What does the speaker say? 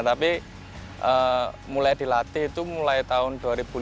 tapi mulai dilatih itu mulai tahun dua ribu lima belas